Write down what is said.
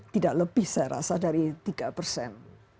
tidak lebih saya rasa dari tiga persen